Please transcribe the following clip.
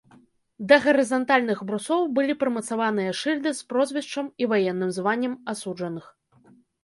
Да гарызантальных брусоў былі прымацаваныя шыльды з прозвішчам і ваенным званнем асуджаных.